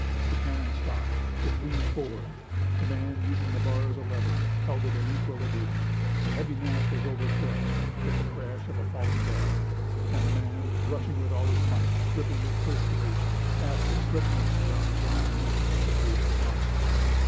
The cannon stopped. It leaned forward. The man using the bar as a lever, held it in equilibrium. The heavy mass was overthrown, with the crash of a falling bell, and the man, rushing with all his might, dripping with perspiration, passed the slip noose around the bronze neck of the subdued monster.